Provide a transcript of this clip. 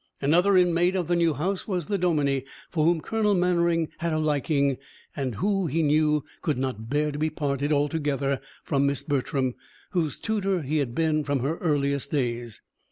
Another inmate of the new house was the dominie, for whom Colonel Mannering had a liking, and who, he knew, could not bear to be parted altogether from Miss Bertram, whose tutor he had been from her earliest days.